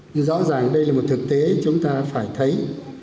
nhưng rõ ràng đây là một thực tế chúng ta phải thấy